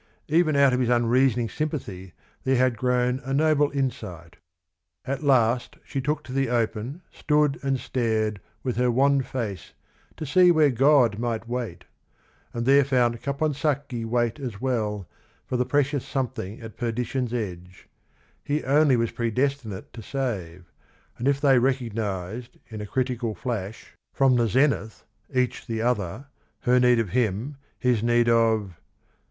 Even out of his unreasoning sympathy there had grown a noble insight. "At last she took to the open, stood and stared With her wan face to see where God might wait — And there found Caponsacchi wait as well For the precious something at perdition's edge, He only was predestinate to save, — And if they recognized in a critical flash THE OTHER HALF ROME 41 From the zenith, each the other, her need of him, His need of